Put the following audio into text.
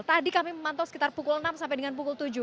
tadi kami memantau sekitar pukul enam sampai dengan pukul tujuh